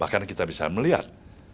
bahkan kita bisa melihat